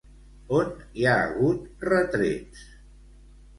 On hi ha hagut retrets?